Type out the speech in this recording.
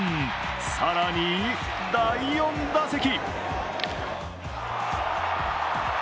更に第４打席。